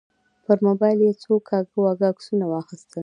پر موبایل یې څو کاږه واږه عکسونه واخیستل.